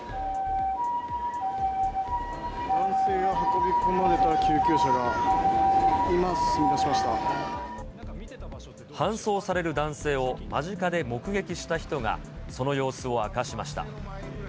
男性が運び込まれた救急車が、搬送される男性を間近で目撃した人が、その様子を明かしました。